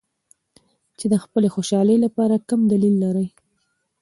چې د خپلې خوشحالۍ لپاره کم دلیل لري.